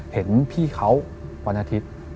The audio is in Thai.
เห็นพี่เขาวันอาทิตย์